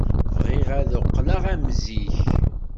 Bɣiɣ ad qqleɣ am zik.